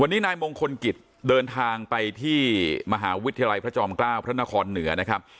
วันนี้นายมงคลกิจเดินทางไปที่มหาวิทยาลัยพระจอมเกล้าพระนครเหนือนะครับ